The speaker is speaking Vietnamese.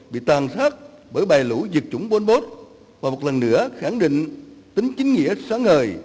bị tàn sát bởi bài lũ diệt chủng bol bốt và một lần nữa khẳng định tính chính nghĩa sáng ngời